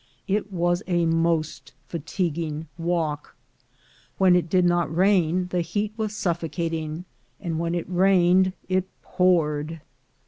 It was a most fatiguing walk. When it did not rain, the heat was suffocating; and when it rained, it poured.